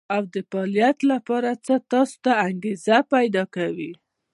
او د فعاليت لپاره څه تاسې کې انګېزه پيدا کوي.